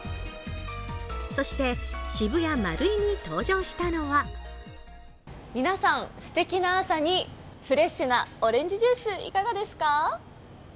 そして渋谷マルイに登場したのは皆さん、すてきな朝にフレッシュなオレンジジュースいかがですか？